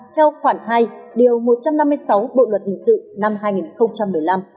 theo khoản hai điều một trăm năm mươi sáu bộ luật hình sự năm hai nghìn một mươi năm